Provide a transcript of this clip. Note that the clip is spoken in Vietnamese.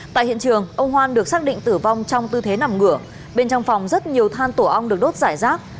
tại hiện trường ông hoan được xác định tử vong trong tư thế nằm ngửa bên trong phòng rất nhiều than tổ ong được đốt giải rác